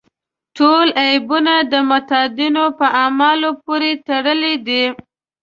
ټول عیبونه د متدینو په اعمالو پورې تړلي دي.